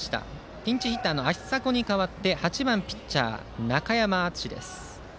ピンチヒッターの芦硲に代わって８番ピッチャー、中山敦。